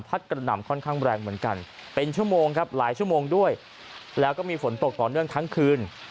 กระหน่ำค่อนข้างแรงเหมือนกันเป็นชั่วโมงครับหลายชั่วโมงด้วยแล้วก็มีฝนตกต่อเนื่องทั้งคืน